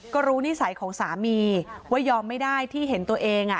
ก็รู้นิสัยของสามีว่ายอมไม่ได้ที่เห็นตัวเอง